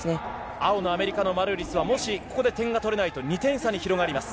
青のアメリカのマルーリスは、もしここで点が取れないと、２点差に広がります。